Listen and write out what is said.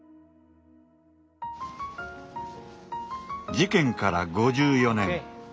事件から５４年。